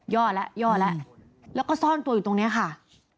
แล้วย่อแล้วแล้วก็ซ่อนตัวอยู่ตรงนี้ค่ะ